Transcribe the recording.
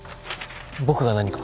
僕が何か。